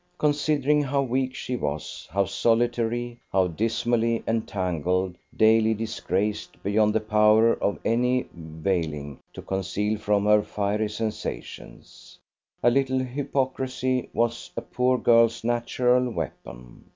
Considering how weak she was, how solitary, how dismally entangled, daily disgraced beyond the power of any veiling to conceal from her fiery sensations, a little hypocrisy was a poor girl's natural weapon.